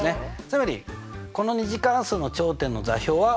つまりこの２次関数の頂点の座標は？